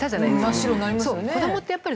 真っ白になりますよね。